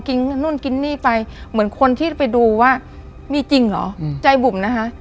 นู่นกินนี่ไปเหมือนคนที่ไปดูว่ามีจริงเหรอใจบุ๋มนะคะ